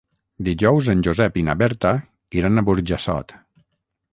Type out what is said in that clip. Dijous en Josep i na Berta iran a Burjassot.